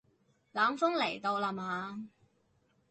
冷鋒嚟到啦嘛